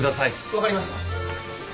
分かりました。